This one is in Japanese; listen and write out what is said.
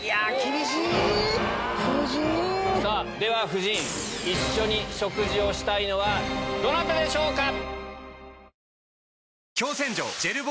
夫人一緒に食事をしたいのはどなたでしょうか？